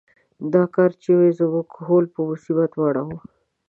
دا کار یې زموږ کهول په مصیبت واړاوه.